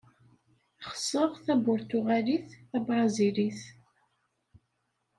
Xseɣ Taburtuɣalit tabṛazilit.